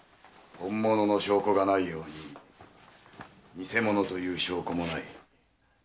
本物の証拠がないように偽物という証拠もない。